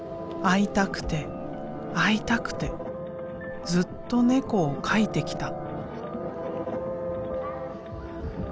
会いたくて会いたくてずっと猫を描いてきた。